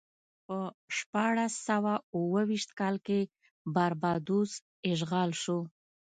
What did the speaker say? په شپاړس سوه اوه ویشت کال کې باربادوس اشغال شو.